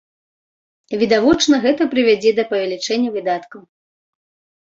Відавочна, гэта прывядзе да павелічэння выдаткаў.